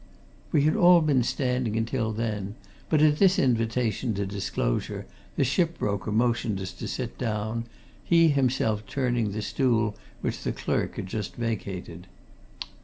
We had all been standing until then, but at this invitation to disclosure the ship broker motioned us to sit down, he himself turning the stool which the clerk had just vacated.